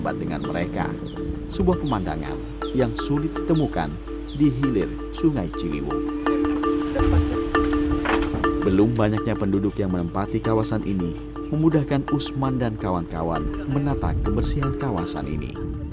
tapi enggak justice tidak disputes kami